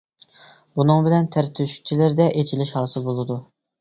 بۇنىڭ بىلەن تەر تۆشۈكچىلىرىدە ئېچىلىش ھاسىل بولىدۇ.